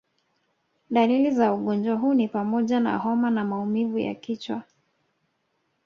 Dalili za ugonjwa huu ni pamoja na homa na maumivu ya kichwa